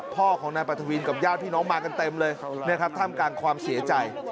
พ่อของนายปรัฐวินกับญาติพี่น้องมากันเต็มเลยนะครับท่ามกลางความเสียใจ